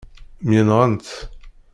Myenɣent.